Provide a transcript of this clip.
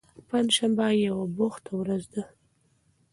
پنجشنبه یوه بوخته ورځ ده.